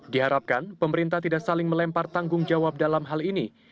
diharapkan pemerintah tidak saling melempar tanggung jawab dalam hal ini